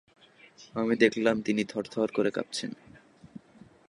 আমি দেখলাম তিনি থরথর করে কাঁপছেন।